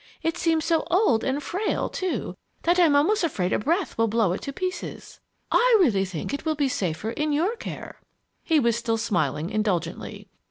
It seems so old and frail, too, that I'm almost afraid a breath will blow it to pieces. I really think it will be safer in your care." He was still smiling indulgently.